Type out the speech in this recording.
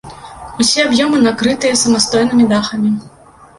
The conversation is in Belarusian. Усе аб'ёмы накрыты самастойнымі дахамі.